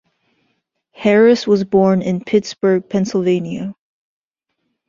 Harris was born in Pittsburgh, Pennsylvania.